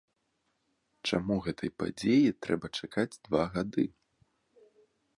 Чаму гэтай падзеі трэба чакаць два гады?